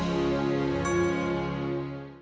jangan lupa like share dan subscribe ya